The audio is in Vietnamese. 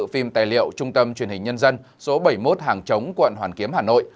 phim tài liệu trung tâm truyền hình nhân dân số bảy mươi một hàng chống quận hoàn kiếm hà nội